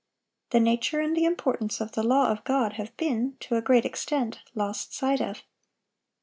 The nature and the importance of the law of God have been, to a great extent, lost sight of.